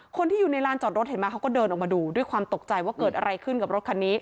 คนที่อยู่ในลานจอดรถเห็นไหมเขาก็เดินออกมาดูด้วยความตกใจว่าเกิดอะไรขึ้นกับรถคันนี้